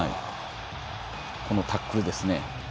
このタックルですね。